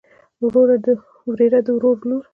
وريره د ورور لور.